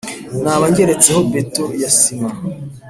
Naba ngeretseho beto ya sima